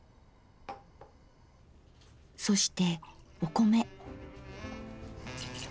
そしてお米。